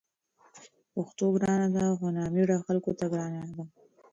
پښتو ګرانه ده؛ خو نامېړه خلکو ته ګرانه ده